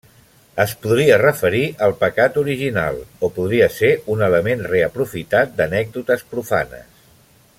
Es podria referir al pecat original o podria ser un element reaprofitat d'anècdotes profanes.